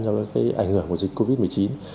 do ảnh hưởng của dịch covid một mươi chín